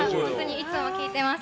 いつも聴いています。